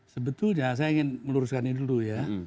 sebetulnya saya ingin meluruskan ini dulu ya